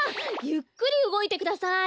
ゆっくりうごいてください！